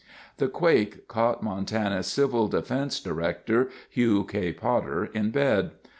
The quake caught Montana's Civil Defense Director Hugh K. Potter in bed.